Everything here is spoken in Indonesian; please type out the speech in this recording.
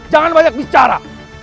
jangan banyak bicara